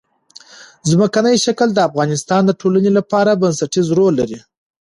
ځمکنی شکل د افغانستان د ټولنې لپاره بنسټيز رول لري.